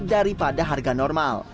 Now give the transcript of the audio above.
daripada harga normal